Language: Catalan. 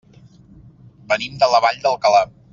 Venim de la Vall d'Alcalà.